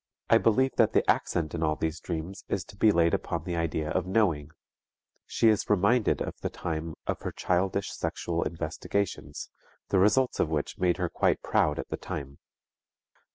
I believe that the accent in all these dreams is to be laid upon the idea of knowing. She is reminded of the time of her childish sexual investigations, the results of which made her quite proud at the time.